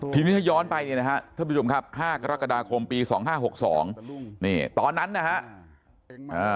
ทีนี้ย้อนไปเนี่ยนะครับท่านผู้ชมครับ๕กรกฎาคมปี๒๕๖๒ตอนนั้นนะครับ